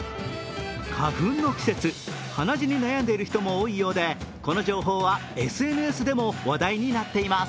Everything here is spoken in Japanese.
花粉の季節、鼻血に悩んでいる人も多いようでこの情報はＳＮＳでも話題になっています。